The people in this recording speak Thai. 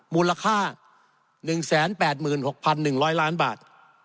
มูลค่า๑๘๖๑๐๐ล้านบาท